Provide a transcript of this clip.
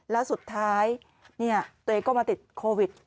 แล้วสุดท้ายตัวเองก็มาติดโควิด